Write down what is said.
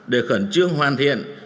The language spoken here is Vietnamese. để khẩn trương hoàn thiện